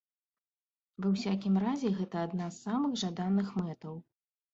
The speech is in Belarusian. Ва усякім разе, гэта адна з самых жаданых мэтаў.